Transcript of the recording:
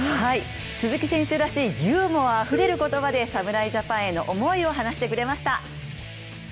鈴木選手らしいユーモアあふれる言葉で侍ジャパンへの思いを話してくれました。